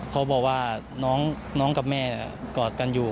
เขาบอกว่าน้องกับแม่กอดกันอยู่